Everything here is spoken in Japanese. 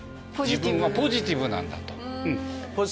自分はポジティブなんだ！と。